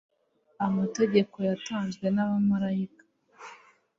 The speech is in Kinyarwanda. amategeko yatanzwe n'abamarayika